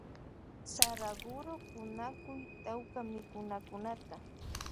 Saraguro kunakuy tawka mikunakunata.